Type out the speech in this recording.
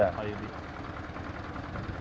apa gitu pak